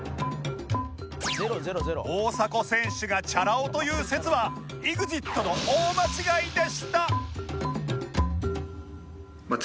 大迫選手がチャラ男という説は ＥＸＩＴ の大間違いでした